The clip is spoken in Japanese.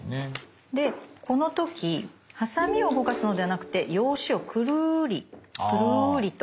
でこの時ハサミを動かすのではなくて用紙をくるりくるりと。